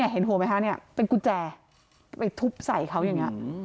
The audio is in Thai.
เห็นหัวไหมคะเป็นกุญแจไปทุบใส่เขาอย่างนี้